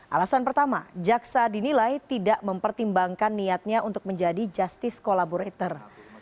alasan pertama jaksa dinilai tidak mempertimbangkan niatnya untuk menjadi justice collaborator